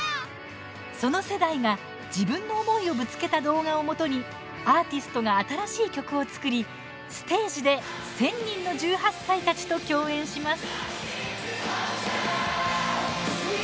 その世代が自分の思いをぶつけた動画を元にアーティストが新しい曲を作りステージで１０００人の１８歳たちと共演します。